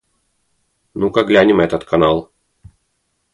Ну-ка глянем этот канал.